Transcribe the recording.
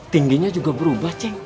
tingginya juga berubah ceng